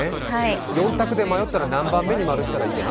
４択で迷ったら何番目に○したらいいかな？